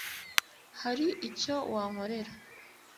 hari icyo wankorera